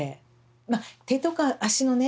まあ手とか足のね